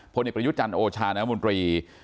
ผลิตประยุทธ์จันทร์โอชาณมนตรี